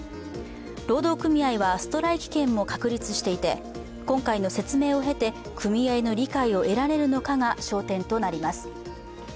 労働組合はストライキ権も確立していて今回の説明を経て、組合の理解を得られるのかが焦点となります。